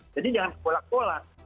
jadi jangan sekolah kolah